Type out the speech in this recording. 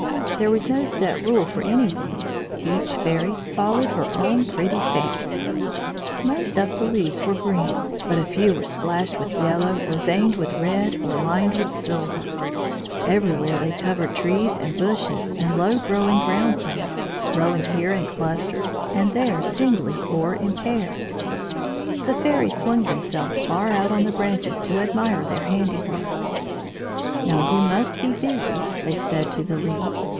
There was no set rule for anything. Each fairy followed her own pretty fancy. [Illustration: "In the wood the Leaf Fairies were busy making their leaves"] Most of the leaves were green, but a few were splashed with yellow or veined with red or lined with silver. Everywhere they covered trees and bushes and low growing ground plants, growing here in clusters, and there singly or in pairs. The fairies swung themselves far out on the branches to admire their handiwork. "Now you must be busy," they said to the leaves.